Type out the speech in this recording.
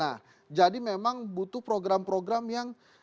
nah jadi memang butuh program program yang